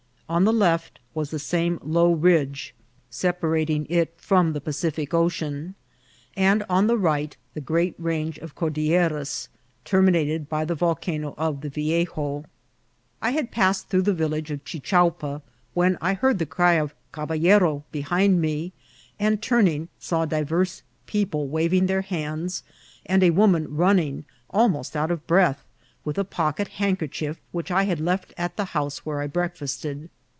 On the left wras the same low ridge separating it from the Pacific 28 INCIDENTS OF TRAVEL. Ocean, and on the right the great range of Cordilleras, terminated by the volcano of the Viejo. I had passed through the village of Chichuapa when I heard a cry of " caballero" behind me, and turning, saw divers people waving their hands, and a woman running, almost out of breath, with a pocket handker chief which I had left at the house where I breakfasted.